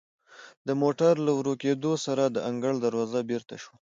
د موټر له ورو کیدو سره د انګړ دروازه بیرته شوه.